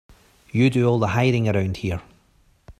You do all the hiring around here.